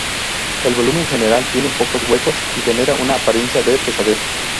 El volumen general tiene pocos huecos y genera una apariencia de pesadez.